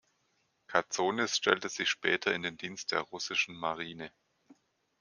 Katsonis stellte sich später in den Dienst der russischen Marine.